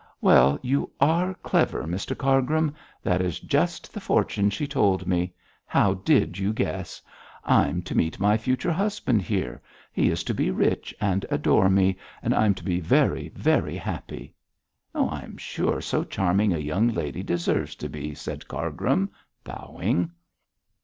'Well, you are clever, Mr Cargrim; that is just the fortune she told me. How did you guess? I'm to meet my future husband here; he is to be rich and adore me, and I'm to be very, very happy.' 'I am sure so charming a young lady deserves to be,' said Cargrim, bowing.